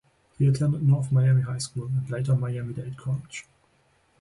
He attended North Miami High School, and later Miami Dade College.